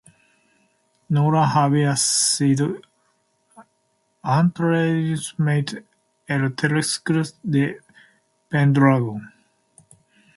Nolan había sido anteriormente el teclista de Pendragon.